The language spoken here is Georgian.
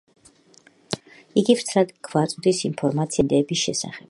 იგი ვრცლად გვაწვდის ინფორმაციას ტაძარში დაცული სიწმინდეების შესახებ.